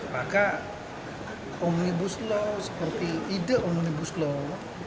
maka omnibus law seperti ide omnibus law